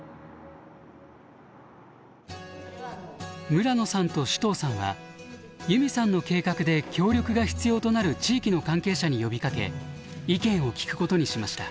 村野さんと首藤さんはゆみさんの計画で協力が必要となる地域の関係者に呼びかけ意見を聞くことにしました。